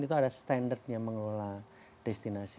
itu ada standard nya mengelola destinasi